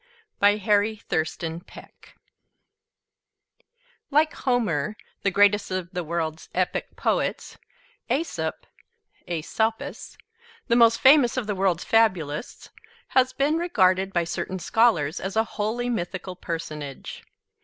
BY HARRY THURSTON PECK Like Homer, the greatest of the world's epic poets, Aesop (Aesopus), the most famous of the world's fabulists, has been regarded by certain scholars as a wholly mythical personage.